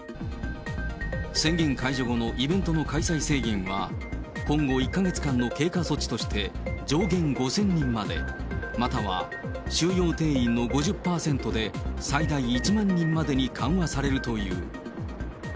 宣言解除後のイベントの開催制限は、今後１か月間の経過措置として上限５０００人まで、または、収容定員の５０％で最大１万人までに緩和されるという。